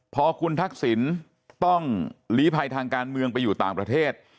พอคุณทักษิณต้องหลีภัยทางการเมืองไปอยู่ต่างประเทศ